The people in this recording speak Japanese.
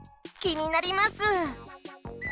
きになります！